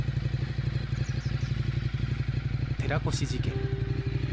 寺越事件